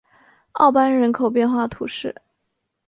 奥班人口变化图示